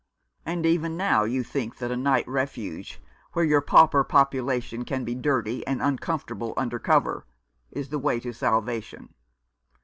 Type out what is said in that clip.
And even now you think that a night refuge, where your pauper population can be dirty and uncomfortable under cover, is the way to salvation.